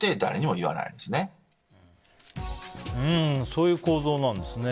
そういう構造なんですね。